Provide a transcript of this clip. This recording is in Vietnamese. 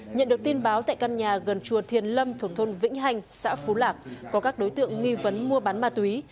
nhận được tin báo tại căn nhà gần chùa thiền lâm thuộc thôn vĩnh hành xã phú lạc có các đối tượng nghi vấn mua bán ma túy